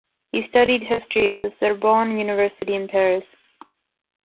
He studied history at the Sorbonne university in Paris.